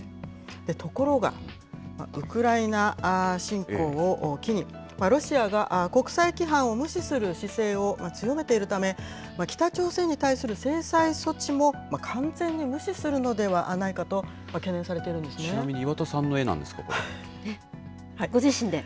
ところが、ウクライナ侵攻を機に、ロシアが国際規範を無視する姿勢を強めているため、北朝鮮に対する制裁措置も完全に無視するのではないかと懸念されちなみに、ご自身で？